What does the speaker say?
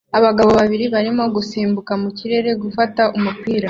Abagabo babiri barimo gusimbuka mu kirere gufata umupira